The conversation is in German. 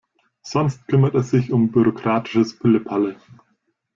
Sonst kümmert er sich um bürokratisches Pillepalle.